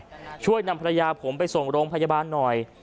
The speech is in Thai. ให้มาช่วยหน่อยช่วยนำภรรยาผมไปส่งโรงพยาบาลหน่อย